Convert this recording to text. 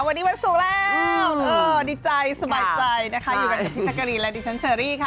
วันนี้วันศูนย์แล้วดีใจสบายใจนะคะอยู่กับพิษกรีย์และดิจันเซอรี่ค่ะ